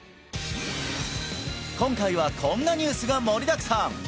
今回はこんなニュースが盛りだくさん！